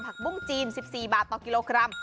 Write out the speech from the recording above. บุ้งจีน๑๔บาทต่อกิโลกรัม